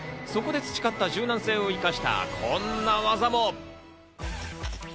そこで培った柔軟性を生かしたこんな技も。